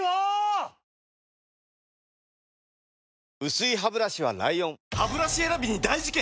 薄いハブラシは ＬＩＯＮハブラシ選びに大事件！